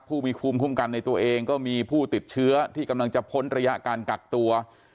ผู้มีภูมิคุ้มกันในตัวเองก็มีผู้ติดเชื้อที่กำลังจะพ้นระยะการกักตัว